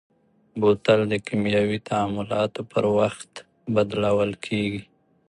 بوتل د کیمیاوي تعاملاتو پر وخت بدلول کېږي.